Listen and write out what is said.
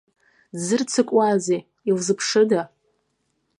Дзырццакуазеи, илзыԥшыда?